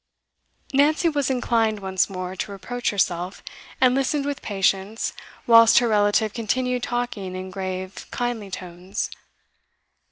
Nancy was inclined, once more, to reproach herself, and listened with patience whilst her relative continued talking in grave kindly tones.